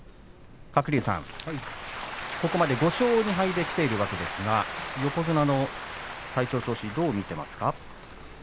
鶴竜さん、ここまで５勝２敗できているわけですが、横綱の体調、調子はどうですか？